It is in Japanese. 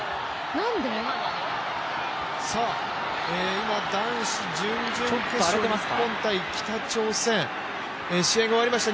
今、男子準々決勝、日本×北朝鮮試合が終わりました